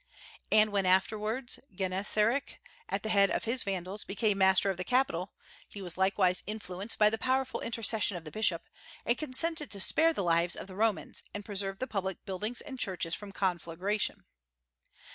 And when afterwards Genseric, at the head of his Vandals, became master of the capital, he was likewise influenced by the powerful intercession of the bishop, and consented to spare the lives of the Romans, and preserve the public buildings and churches from conflagration.